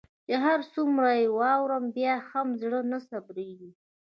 چي هر څومره يي واورم بيا هم زړه نه صبریږي